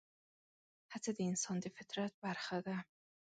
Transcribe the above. هڅه د انسان د فطرت برخه ده.